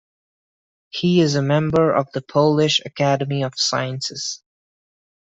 He is a member of the Polish Academy of Sciences.